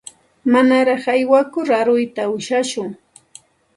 Manaraq aywakur aruyta ushashun.